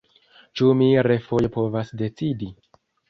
Ĉu mi refoje povas decidi?